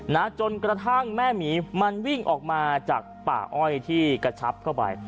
นะจนกระทั่งแม่หมีมันวิ่งออกมาจากป่าอ้อยที่กระชับเข้าไป